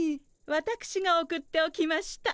わたくしが送っておきました。